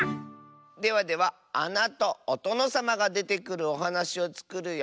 ではではあなとおとのさまがでてくるおはなしをつくるよ。